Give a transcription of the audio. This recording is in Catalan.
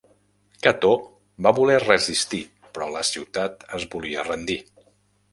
Cató va voler resistir però la ciutat es volia rendir.